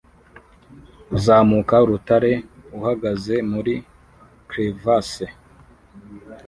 Uzamuka urutare ahagaze muri crevasse